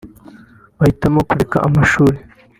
bahitamo kureka amashuri